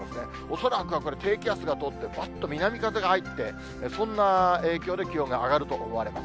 恐らくはこれ、低気圧が通って、ぱっと南風が入って、そんな影響で気温が上がると思われます。